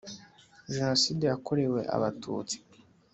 Jenoside yakorewe Abatutsi